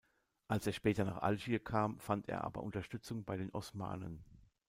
Als er später nach Algier kam, fand er aber Unterstützung bei den Osmanen.